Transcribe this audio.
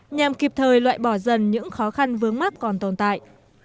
nhằm kịp thời loại bỏ dần những khó khăn vướng mắt còn tồn tại